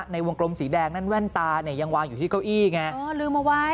ในวงกลมสีแดงนั่นแว่นตาเนี่ยยังวางอยู่ที่เก้าอี้ไงอ๋อลืมเอาไว้